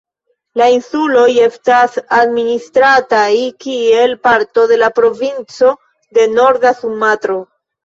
La insuloj estas administrataj kiel parto de la provinco de Norda Sumatro.